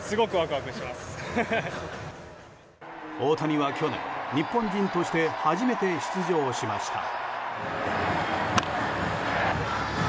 大谷は去年、日本人として初めて出場しました。